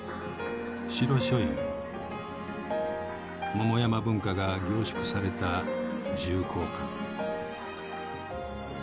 桃山文化が凝縮された重厚感。